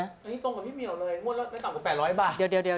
อันนี้ตรงกับพี่เมียวเลยงวดละต่ำกว่า๘๐๐บาท